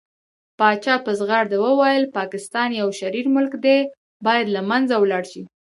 پاچا په ځغرده وويل پاکستان يو شرير ملک دى بايد له منځه ولاړ شي .